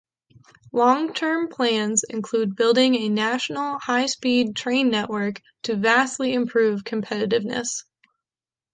Long term plans include building a national high-speed train network, to vastly improve competitiveness.